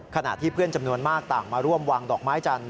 ขณะที่เพื่อนจำนวนมากต่างมาร่วมวางดอกไม้จันท